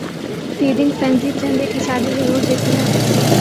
feeding frenzy چند ایک اشارے ضرور دیتی ہے